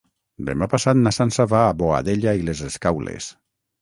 Demà passat na Sança va a Boadella i les Escaules.